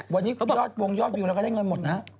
วันนี้ยอดวงยอดวิวเราก็ได้เงินหมดนะ